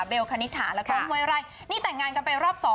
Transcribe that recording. เบลคณิตฐานและกรมเวรัยนี่แต่งงานกันไปรอบ๒